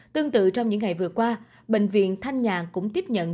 tương tự trong những ngày vừa qua bệnh viện thanh nhàn cũng tiếp nhận